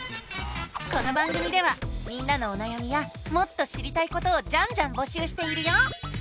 この番組ではみんなのおなやみやもっと知りたいことをジャンジャンぼしゅうしているよ！